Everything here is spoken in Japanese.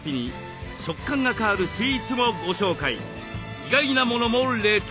意外なものも冷凍。